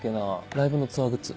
ライブのツアーグッズ。